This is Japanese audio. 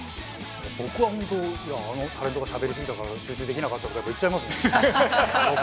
僕は本当「いやあのタレントがしゃべり過ぎたから集中できなかった」とかって言っちゃいますもん。